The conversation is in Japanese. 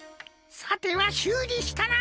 さてはしゅうりしたな。